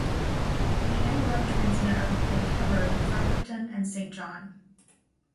The analog transmitter had covered Fredericton and Saint John.